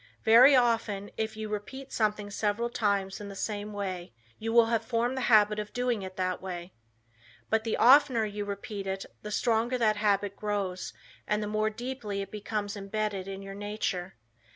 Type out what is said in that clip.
Very often, if you repeat something several times in the same way, you will have formed the habit of doing it that way. But the oftener you repeat it the stronger that habit grows and the more deeply it becomes embedded in your nature.